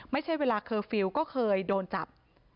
ไม่ใช่เวลาเคอร์ฟิลล์ก็เคยโดนจับ